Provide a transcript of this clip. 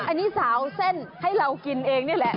อันนี้สาวเส้นให้เรากินเองนี่แหละ